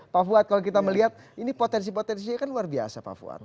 pak fuad kalau kita melihat ini potensi potensinya kan luar biasa pak fuad